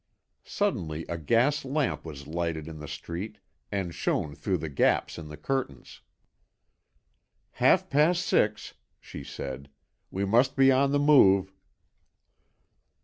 Suddenly a gas lamp was lighted in the street, and shone through the gaps in the curtains. "Half past six," she said. "We must be on the move."